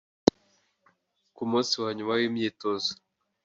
Ku munsi wa nyuma w’imyitozo